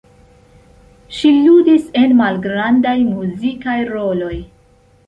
Ŝi ludis en malgrandaj muzikaj roloj.